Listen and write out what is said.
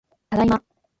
ただいま